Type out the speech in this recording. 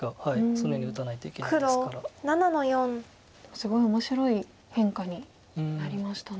すごい面白い変化になりましたね。